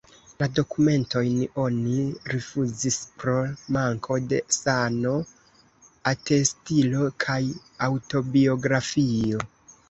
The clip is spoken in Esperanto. La dokumentojn oni rifuzis pro manko de sano-atestilo kaj aŭtobiografio.